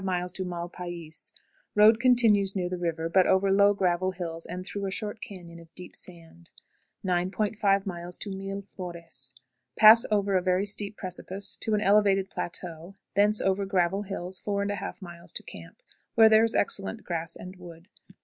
Mal Pais. Road continues near the river, but over low gravel hills and through a short cañon of deep sand. 9.50. Mil Flores. Pass over a very steep precipice to an elevated plateau, thence over gravel hills 4 1/2 miles to camp, where there is excellent grass and wood.